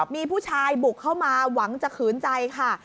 มีผู้ชายบุกเข้ามาหวังจะขืนใจค่ะ